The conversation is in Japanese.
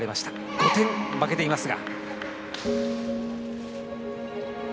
５点負けていますが。